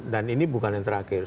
dan ini bukan yang terakhir